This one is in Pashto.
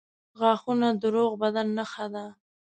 • غاښونه د روغ بدن نښه ده.